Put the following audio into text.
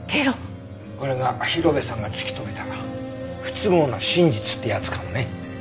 これが広辺さんが突き止めた不都合な真実ってやつかもね。